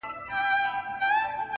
نه خوړلي نه لیدلي پوروړي،